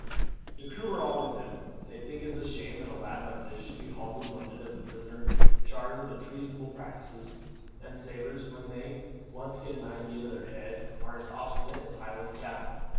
"The crew are all with him. They think it a shame that a lad like this should be hauled to London as a prisoner charged with treasonable practices; and sailors, when they once get an idea into their head, are as obstinate as Highland cattle.